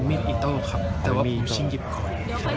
มีอีกตัวครับแต่ว่าผมชิงหยิบก่อน